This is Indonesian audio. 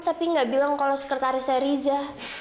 tapi nggak bilang kalau sekretarisnya riza